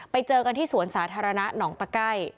ไปเจอกันที่สวนสาธารณะหนองตะไก้